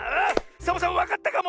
サボさんわかったかも！